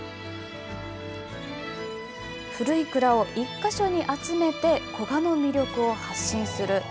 古い蔵を１か所に集めて、古河の魅力を発信する。